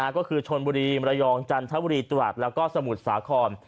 ก็คือชนบุรีมรยองจันทบุรีตราดแล้วก็สมุทรสาคร